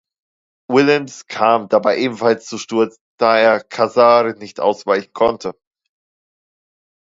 Willems kam dabei ebenfalls zu Sturz, da er Casar nicht ausweichen konnte.